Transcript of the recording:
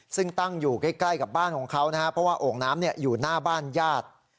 ซึ่งตั้งอยู่ใกล้กับบ้านของเขานะครับเพราะว่าโอ่งน้ำอยู่หน้าบ้านญาติ